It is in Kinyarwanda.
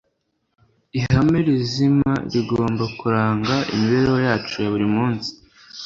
ihame rizima rigomba kuranga imibereho yacu ya buri munsi